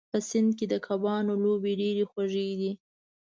په سیند کې د کبانو لوبې ډېرې خوږې دي.